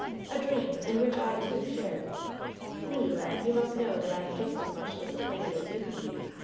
A dream, in which I, too, shared! Le, lad, you must know that I am just as much disappointed as you can be!